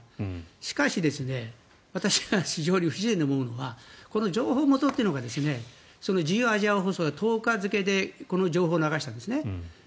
しかし、私は非常に不自然に思うのはこの情報元というのが自由アジア放送が１０日付でこの情報を流したんです。